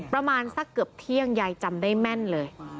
ประมาณสักเกือบเที่ยงยายจำได้แม่นเลย